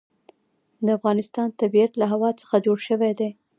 د افغانستان طبیعت له هوا څخه جوړ شوی دی.